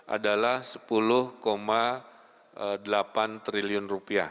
adalah rp sepuluh delapan triliun